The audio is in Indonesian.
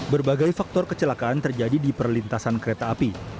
berbagai faktor kecelakaan terjadi di perlintasan kereta api